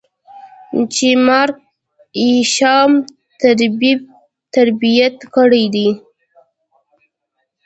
چې Mark Isham ترتيب کړې ده.